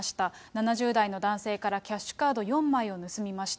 ７０代の男性からキャッシュカード４枚を盗みました。